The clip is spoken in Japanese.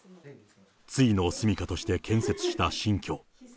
ついの住みかとして建設した新居。